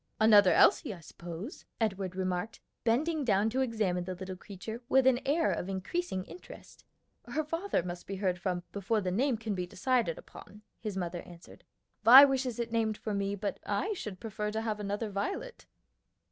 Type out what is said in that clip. "Another Elsie, I suppose," Edward remarked, bending down to examine the little creature with an air of increasing interest. "Her father must be heard from before the name can be decided upon," his mother answered. "Vi wishes it named for me, but I should prefer to have another Violet."